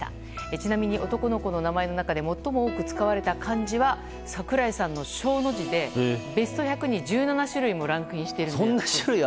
ちなみに男の子の名前の中で最も多く使われた漢字は櫻井さんの「翔」の字でベスト１００に１７種類もランクインしているそうです。